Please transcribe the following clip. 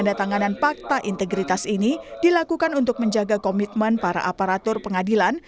tanda tanganan pakta integritas ini dilakukan untuk menjaga komitmen para aparatur pengadilan